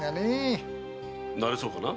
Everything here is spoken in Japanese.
なれそうかな？